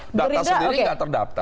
data sendiri tidak terdaftar